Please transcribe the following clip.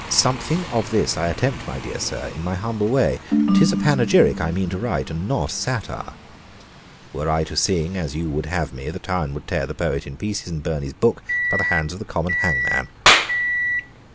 Something of this I attempt, my dear sir, in my humble way: 'tis a panegyric I mean to write, and not a satire. Were I to sing as you would have me, the town would tear the poet in pieces, and burn his book by the hands of the common hangman.